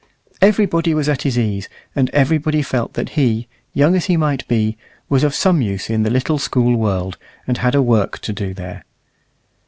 Everybody was at his ease, and everybody felt that he, young as he might be, was of some use in the little School world, and had a work to do there.